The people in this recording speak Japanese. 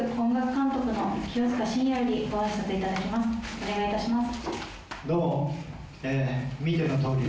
お願い致します。